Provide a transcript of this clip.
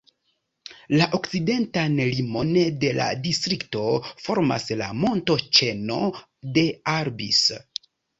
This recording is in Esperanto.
La okcidentan limon de la distrikto formas la montoĉeno de Albis.